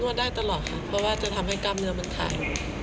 ได้ตลอดค่ะเพราะว่าจะทำให้กล้ามเนื้อมันขาด